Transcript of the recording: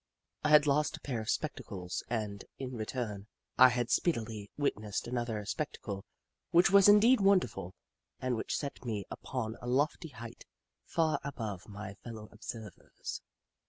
I had lost a pair of spectacles, and, in return, I had speedily witnessed another spectacle which was indeed wonderful and which set me upon a lofty height, far above my fellow observers.